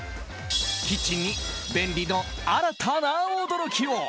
キッチンに便利と新たな驚きを。